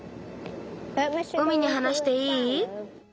海にはなしていい？